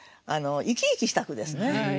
生き生きした句ですね。